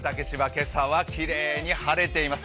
今朝はきれいに晴れています。